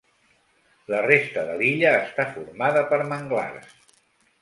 La resta de l'illa està formada per manglars.